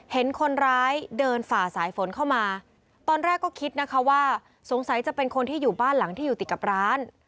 เห็นคนร้ายเดินฝ่าสายฝนเข้ามาตอนแรกก็คิดนะคะว่าสงสัยจะเป็นคนที่อยู่บ้านหลังที่อยู่ติดกับร้าน